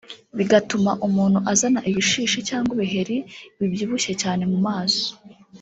bigatuma umuntu azana ibishishi cyangwa ibiheri bibyibushye cyane mu maso